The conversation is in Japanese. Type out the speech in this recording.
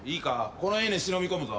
この家に忍び込むぞ。